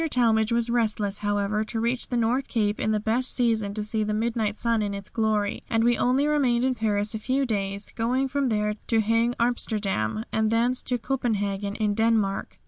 Talmage was restless, however, to reach the North Cape in the best season to see the Midnight Sun in its glory, and we only remained in Paris a few days, going from there to the Hague, Amsterdam, and thence to Copenhagen in Denmark.